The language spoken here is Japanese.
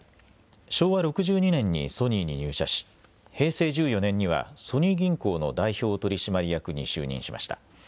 昭和６２年にソニーに入社し平成１４年にはソニー銀行の代表取締役に就任しました。